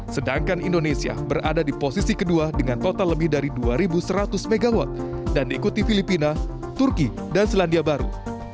sedangkan indonesia berada di posisi kedua dengan total lebih dari dua seratus mw dan diikuti filipina turki dan selandia baru